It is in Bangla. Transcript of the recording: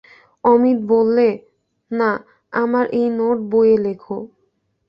অমিত বললে, না, আমার এই নোট-বইয়ে লেখো।